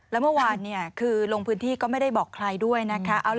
แล้วเมื่อวานคือลงพื้นที่ก็ไม่ได้บอกใครด้วยนะคะ